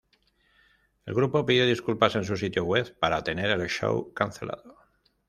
El grupo pidió disculpas en su sitio web para tener el show cancelado.